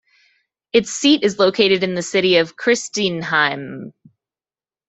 Its seat is located in the city of Kristinehamn.